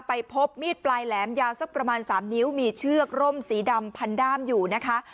ไปพบมีดปลายแหลมยาวสักประมาณ๓นิ้วมีเชือกร่มสีดำพันด้ามอยู่นะคะ